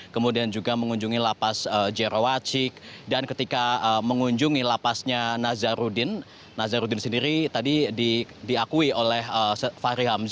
kemudian juga mengunjungi lapas jerawacik dan ketika mengunjungi lapasnya nazarudin nazaruddin sendiri tadi diakui oleh fahri hamzah